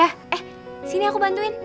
eh sini aku bantuin